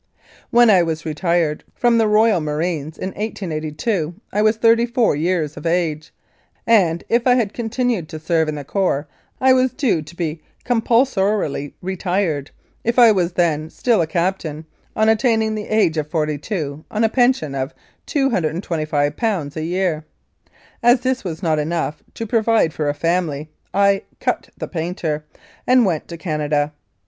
When I was retired from the Royal Marines in 1882 I was 34 years of age, and if I had continued to serve in the corps I was due to be compulsorily retired, if I was then still a captain, on attaining the age of 42, on a pension of ^225 a year. As this was not enough to provide for a family, I u cut the painter" and went to Canada.